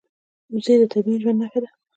وزې د طبیعي ژوند نښه ده